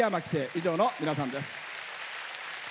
以上の皆さんです。